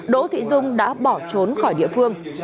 đỗ thị dung đã bỏ trốn khỏi địa phương